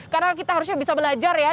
karena kita harusnya bisa belajar ya